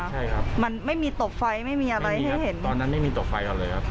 ใช่ครับมันไม่มีตกไฟไม่มีอะไรให้เห็นตอนนั้นไม่มีตกไฟกันเลยครับ